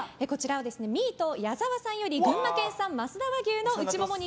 ミート矢澤さんより群馬県産増田和牛の内モモ肉